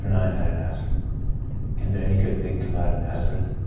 IX " OUT OF NAZARETH "Can there any good thing come out of Nazareth